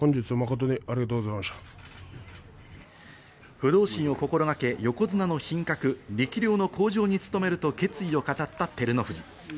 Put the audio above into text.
不動心を心がけ横綱の品格、力量の向上に努めると決意を語った照ノ富士。